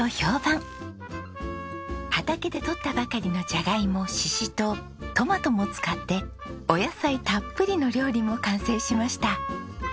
畑でとったばかりのジャガイモシシトウトマトも使ってお野菜たっぷりの料理も完成しました。